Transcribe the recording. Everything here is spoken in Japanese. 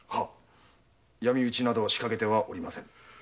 闇討ちなどは仕掛けておりませぬ。